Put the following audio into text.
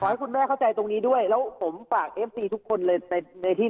ให้คุณแม่เข้าใจตรงนี้ด้วยแล้วผมฝากเอฟซีทุกคนเลยในในที่